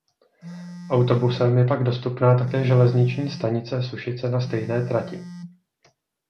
Autobusem je pak dostupná také železniční stanice Sušice na stejné trati.